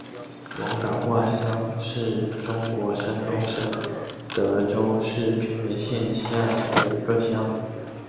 王打卦乡是中国山东省德州市平原县下辖的一个乡。